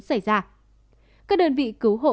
xảy ra các đơn vị cứu hộ